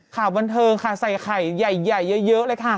ข่าวบันเทิงค่ะใส่ไข่ใหญ่เยอะเลยค่ะ